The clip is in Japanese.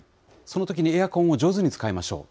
そのときにエアコンを上手に使いましょう。